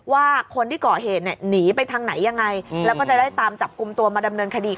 ว่าคนที่ก่อเหตุเนี่ยหนีไปทางไหนยังไงแล้วก็จะได้ตามจับกลุ่มตัวมาดำเนินคดี